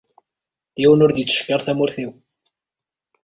Yiwen ur d-yettcekkiṛ tamurt-iw.